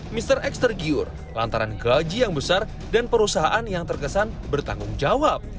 mr x tergiur lantaran gaji yang besar dan perusahaan yang terkesan bertanggung jawab